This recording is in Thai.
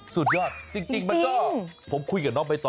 สุดยอดจริงมันก็ผมคุยกับน้องใบตอ